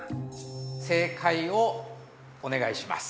正解をお願いします。